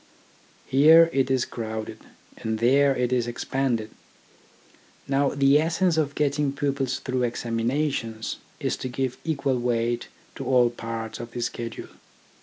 Here it is crowded, and there it is expanded. Now the essence of getting pupils through examinations is to give equal weight to all parts of the schedule.